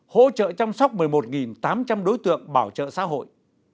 hỗ trợ chăm sóc một mươi một tám trăm linh đối tượng bảo trợ xã hội